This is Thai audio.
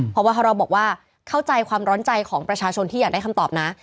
เพราะว่าทรบอกว่าเข้าใจความร้อนใจของประชาชนที่อยากได้คำตอบนะ